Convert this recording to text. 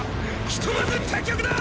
ひとまず退却だ！